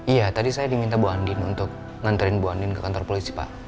iya tadi saya diminta bu andin untuk nganterin bu andin ke kantor polisi pak